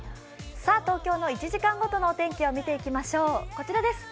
東京の１時間ごとのお天気を見ていきましょう、こちらです。